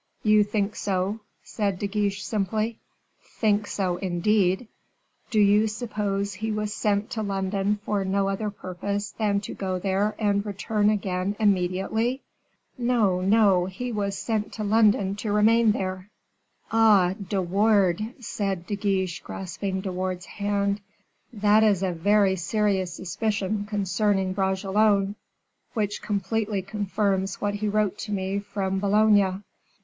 "You think so," said De Guiche, simply. "Think so, indeed! do you suppose he was sent to London for no other purpose than to go there and return again immediately? No, no; he was sent to London to remain there." "Ah! De Wardes," said De Guiche, grasping De Wardes's hand, "that is a very serious suspicion concerning Bragelonne, which completely confirms what he wrote to me from Boulogne."